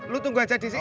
lu tunggu aja disini